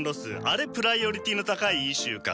あれプライオリティーの高いイシューかと。